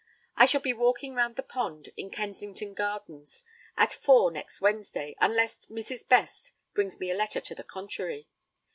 I shall be walking round the pond in Kensington Gardens at four next Wednesday, unless Mrs. Best brings me a letter to the contrary.